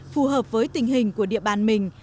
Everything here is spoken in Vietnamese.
phù hợp với tình hình của địa bàn mình